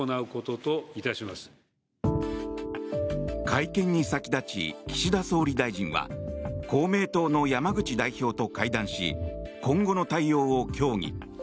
会見に先立ち岸田総理大臣は公明党の山口代表と会談し今後の対応を協議。